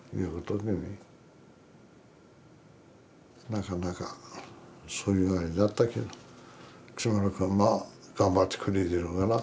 なかなかそういうあれだったけど木村君はまあ頑張ってくれてるから。